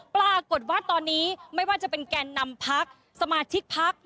ปรากฏว่าตอนนี้ไม่ว่าจะเป็นแกนนำพักสมาชิกพัก